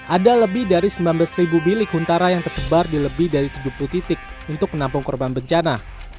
ada lebih dari sembilan belas bilik huntara yang tersebar di lebih dari tujuh puluh titik untuk menampung korban bencana